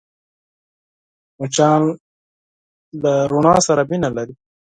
مچان له رڼا سره مینه لري